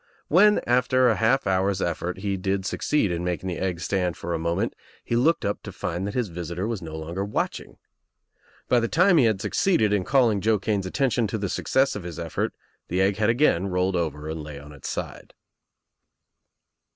When after a half hour's ef fort he did succeed in making the egg stand for a L moment he looked up to find that his visitor was no 60 THE TRIUMPH OF THE EGG longer watching. By the time he had succeeded in calling Joe Kane's attention to the success of his effort the egg had again rolled over and lay on its side.